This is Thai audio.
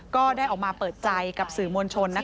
ก็ได้ออกมาเปิดใจกับสื่อมวลชน